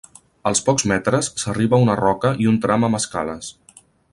Als pocs metres s'arriba a una roca i un tram amb escales.